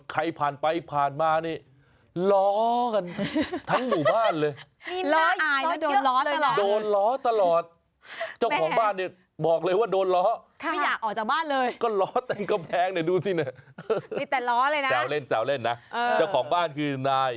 ใครผ่านไปผ่านมานี่ล้อกันทั้งหมู่บ้านเลย